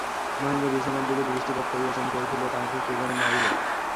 মহেন্দ্র বিছানার দিকে দৃষ্টিপাত করিয়া চমকিয়া উঠিল, তাহাকে কে যেন মারিল।